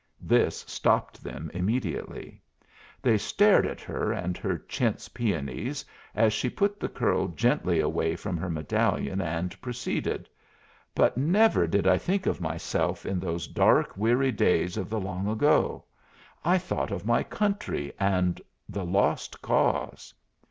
This stopped them immediately; they stared at her and her chintz peonies as she put the curl gently away from her medallion and proceeded: "But never did I think of myself in those dark weary days of the long ago. I thought of my country and the Lost Cause."